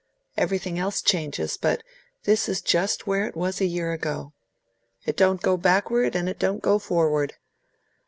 Everything else changes, but this is just where it was a year ago. It don't go backward, and it don't go forward.